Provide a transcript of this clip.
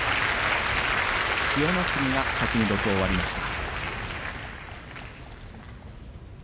千代の国は先に土俵を割りました。